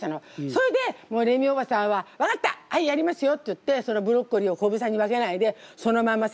それでレミおばさんは「分かったはいやりますよ」って言ってブロッコリーを小房に分けないでそのままさ立たせたの。